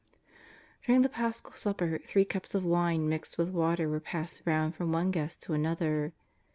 During the Paschal supper three cups of mne mixed with water were passed round from one guest to another.